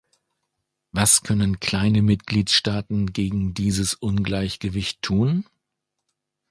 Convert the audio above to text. Was können kleine Mitgliedstaaten gegen dieses Ungleichgewicht tun?